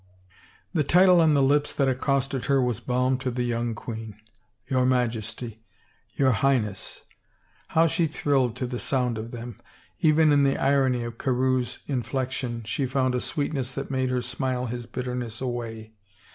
The title on the lips that accosted her was balm to the young queen. " Your Majesty," " Your Highness "— how she thrilled to the sound of them! Even in the irony of Carewe's inflection she found a sweetness that made her smile his bitterness away.